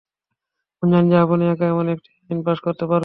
আমি জানি যে আপনি একা এমন একটি আইন পাস করতে পারবেন না।